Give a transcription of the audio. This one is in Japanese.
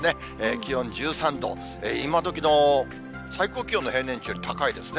気温１３度、今どきの最高気温の平年値より高いですね。